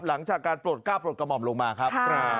หลังจากการปลดกล้าปลดกระหม่อมลงมาครับ